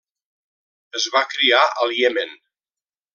Es va criar al Iemen.